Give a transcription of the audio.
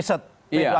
itu kan kelembagaan